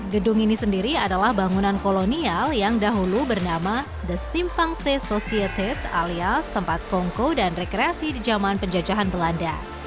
gedung ini sendiri adalah bangunan kolonial yang dahulu bernama the simpangse society alias tempat kongko dan rekreasi di zaman penjajahan belanda